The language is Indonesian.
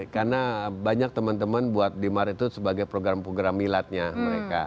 karena banyak teman teman buat di maret itu sebagai program program milatnya mereka